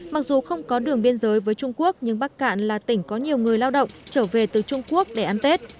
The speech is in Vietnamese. mặc dù không có đường biên giới với trung quốc nhưng bắc cạn là tỉnh có nhiều người lao động trở về từ trung quốc để ăn tết